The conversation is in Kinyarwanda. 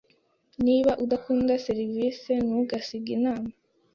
Niba udakunda serivisi, ntugasige inama.